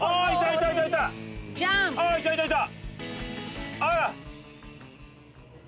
いたいたいたいた！